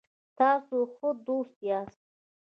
تاسو ښه دوست یاست